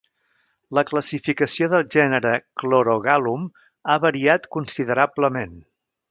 La classificació del gènere "Chlorogalum" ha variat considerablement.